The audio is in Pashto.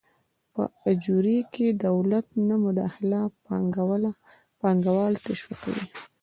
په اجورې کې د دولت نه مداخله پانګوال تشویقوي.